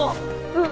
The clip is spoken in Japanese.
うん！